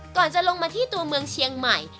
ก่อนจะลงมาที่ตัวเมืองเชียงใหม่